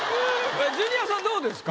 ジュニアさんどうですか？